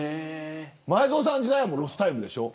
前園さんの時代はもうロスタイムでしょ。